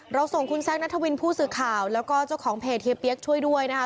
ส่งคุณแซคนัทวินผู้สื่อข่าวแล้วก็เจ้าของเพจเฮียเปี๊ยกช่วยด้วยนะคะ